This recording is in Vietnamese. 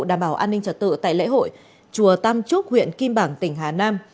đảm bảo an ninh trật tự tại lễ hội chùa tam trúc huyện kim bảng tỉnh hà nam